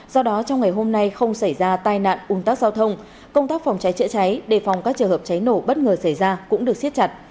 do đó trong ngày hôm nay không xảy ra tai nạn un tắc giao thông công tác phòng cháy chữa cháy đề phòng các trường hợp cháy nổ bất ngờ xảy ra cũng được siết chặt